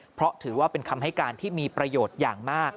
เพราะถือว่าเป็นคำให้การที่มีประโยชน์อย่างมาก